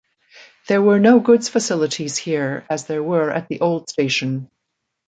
There were no goods facilities here as they were at the old station.